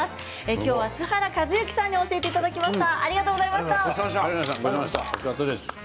今日は栖原一之さんに教えていただきました。